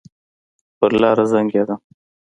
پر لار زنګېدم.